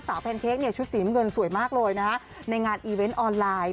สาวแพนเค้กชุดสีเงินสวยมากเลยในงานออนไลน์